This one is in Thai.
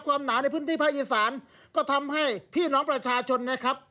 หนาในพื้นที่ภาคอีสานก็ทำให้พี่น้องประชาชนนะครับ